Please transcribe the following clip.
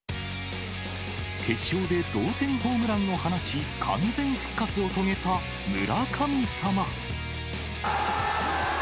決勝で同点ホームランを放ち、完全復活を遂げた村神様。